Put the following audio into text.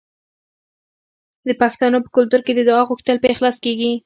د پښتنو په کلتور کې د دعا غوښتل په اخلاص کیږي.